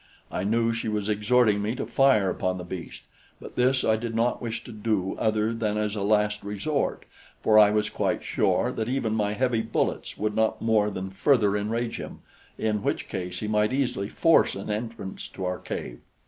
I knew she was exhorting me to fire upon the beast; but this I did not wish to do other than as a last resort, for I was quite sure that even my heavy bullets would not more than further enrage him in which case he might easily force an entrance to our cave.